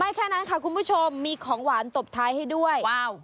แค่นั้นค่ะคุณผู้ชมมีของหวานตบท้ายให้ด้วยว้าว